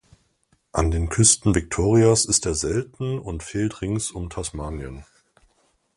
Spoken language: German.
An den Küsten Victorias ist er selten und fehlt rings um Tasmanien.